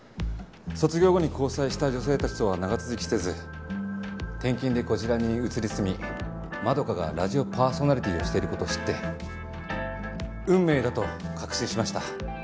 卒業後に交際した女性たちとは長続きせず転勤でこちらに移り住みまどかがラジオパーソナリティーをしている事を知って運命だと確信しました。